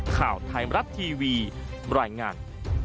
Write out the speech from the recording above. ข่าวไทม์รับทีวีบร่อยงาน